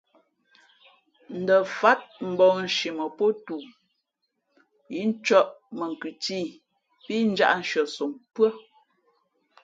Ndα fát mbαᾱnshi mα pōtoo yí ncᾱʼ mα khʉ tî pí njāʼ shʉαsom pʉ́ά.